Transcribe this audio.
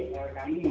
kalau itu bisa diberi